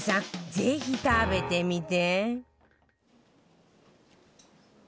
ぜひ食べてみて